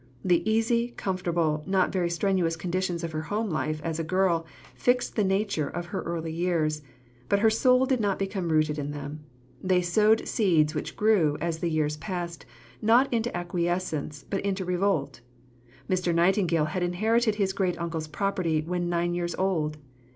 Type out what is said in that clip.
The easy, comfortable, not very strenuous conditions of her home life as a girl fixed the nature of her earlier years, but her soul did not become rooted in them. They sowed seeds which grew, as the years passed, not into acquiescence, but into revolt. Mr. Nightingale had inherited his great uncle's property when nine years old.